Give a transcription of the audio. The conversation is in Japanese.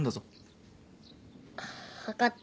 分かった。